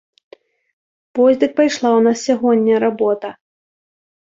Вось дык пайшла ў нас сягоння работа!